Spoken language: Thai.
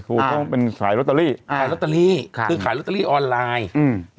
ถูกต้องเป็นขายลอตเตอรี่อ่าขายลอตเตอรี่ค่ะคือขายลอตเตอรี่ออนไลน์อืม